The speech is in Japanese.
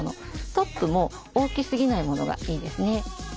トップも大きすぎないものがいいですね。